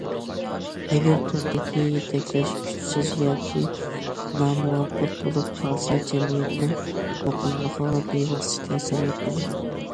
ئەگەر توردىكى يېتەكلەش كۈچسىز ياكى نامۇۋاپىق بولۇپ قالسا، جەمئىيەتنىڭ مۇقىملىقىغا بىۋاسىتە تەسىر يەتكۈزىدۇ.